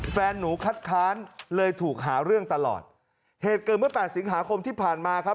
แฟนหนูคัดค้านเลยถูกหาเรื่องตลอดเหตุเกิดเมื่อแปดสิงหาคมที่ผ่านมาครับ